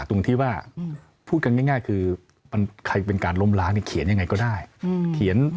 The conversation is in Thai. ตรงที่ว่าพูดกันง่ายคือใครเป็นการล้มล้างเขียนยังไงก็ได้เขียน